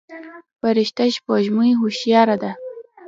فرشته سپوږمۍ هوښياره ده.